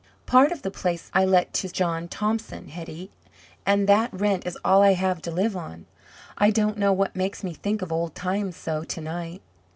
"Part of the place I let to John Thompson, Hetty, and that rent is all I have to live on. I don't know what makes me think of old times so to night."